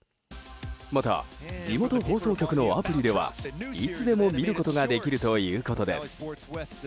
また、地元放送局のアプリではいつでも見ることができるということです。